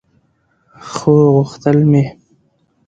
خو غوښتل مې